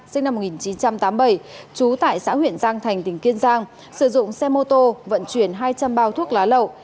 sinh năm một nghìn chín trăm tám mươi bảy trú tại xã huyện giang thành tỉnh kiên giang sử dụng xe mô tô vận chuyển hai trăm linh bao thuốc lá lậu